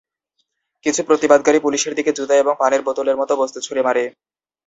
কিছু প্রতিবাদকারী পুলিশের দিকে জুতা এবং পানির বোতলের মতো বস্তু ছুঁড়ে মারে।